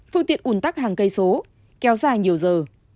phương tiện ủn tắc hàng cây số kéo dài nhiều giờ